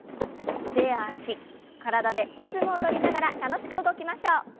腕や脚体でリズムを取りながら楽しく動きましょう。